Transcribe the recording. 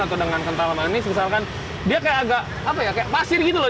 atau dengan kental manis misalkan dia kayak agak pasir gitu loh